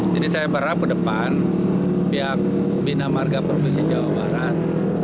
jadi saya berharap ke depan pihak bina marga provinsi jawa barat